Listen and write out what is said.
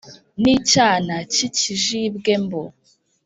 N'icyana cy'ikijibwe mbu